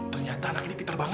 ternyata anak ini pinter banget